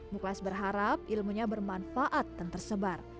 muklas berharap ilmunya bermanfaat dan tersebar